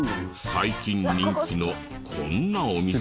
最近人気のこんなお店も。